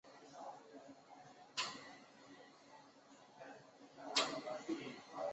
这次展会随后发展成世界上最大的工业博览会。